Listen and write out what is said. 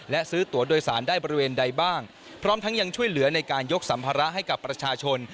และซื้อตัวโดยสารได้บริเวณใดบ้างพร้อมทั้งยังช่วยเหลือในการยกสัมภาระให้กับประชาชน